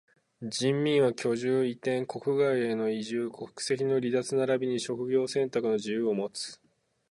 人民は居住、移転、国外への移住、国籍の離脱ならびに職業選択の自由をもつ。